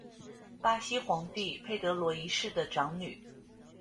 巴西皇帝佩德罗一世的长女。